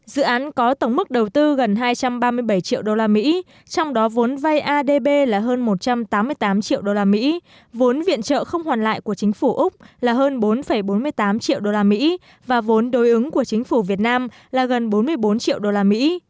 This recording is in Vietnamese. dự án có tổng mức đầu tư gần hai trăm ba mươi bảy triệu đô la mỹ trong đó vốn vay adb là hơn một trăm tám mươi tám triệu đô la mỹ vốn viện trợ không hoàn lại của chính phủ úc là hơn bốn bốn mươi tám triệu đô la mỹ và vốn đối ứng của chính phủ việt nam là gần bốn mươi bốn triệu đô la mỹ